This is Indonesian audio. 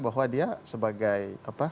bahwa dia sebagai